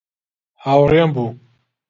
هاوڕێم بوو.